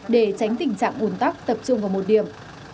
để tránh tình trạng ủn tắc tập trung vào một điểm